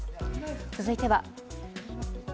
続いては。